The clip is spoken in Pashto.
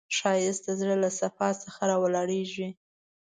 ښایست د زړه له صفا څخه راولاړیږي